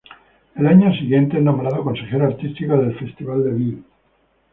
Al año siguiente es nombrado consejero artístico del Festival de Lille.